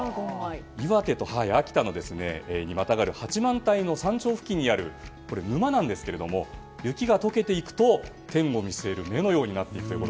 岩手と秋田にまたがる八幡平の山頂付近にある沼なんですが雪が解けていくと天を見据える目のようになっていると。